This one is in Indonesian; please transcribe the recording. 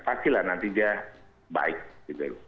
pastilah nanti dia baik gitu